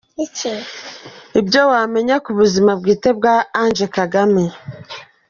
Ibyo wamenya ku buzima bwite bwa Ange Kagame.